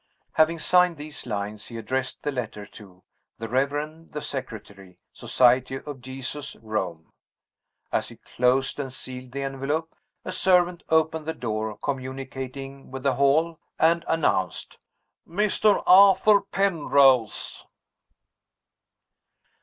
Having signed these lines, he addressed the letter to "The Reverend the Secretary, Society of Jesus, Rome." As he closed and sealed the envelope, a servant opened the door communicating with the hall, and announced: "Mr. Arthur Penrose."